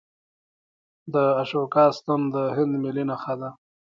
د اشوکا ستن د هند ملي نښه ده.